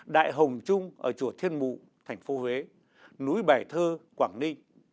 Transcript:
đại hồng trung ở chùa thiên mụ thành phố huế núi bài thơ quảng ninh